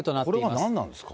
これはなんなんですか？